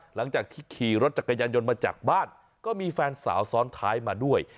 หลังจากที่ขี่รถจักรยานยนต์มาจากบ้านก็มีแฟนสาวซ้อนท้ายมาด้วย